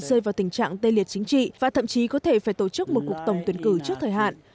hạ viện đã tránh được tình trạng tê liệt chính trị và thậm chí có thể phải tổ chức một cuộc tổng tuyển cử trước thời hạn